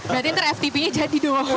berarti nanti ftp nya jadi dong